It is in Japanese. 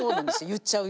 「言っちゃうよ」